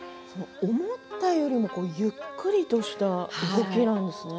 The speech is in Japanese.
思ったよりもゆっくりとした動きなんですね。